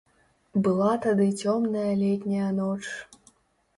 Была тады цёмная летняя ноч.